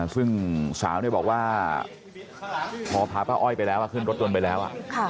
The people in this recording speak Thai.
ซึ่งสาวบอกว่าพอพาป้าอ้อยไปแล้วขึ้นรถยนต์ไปแล้ว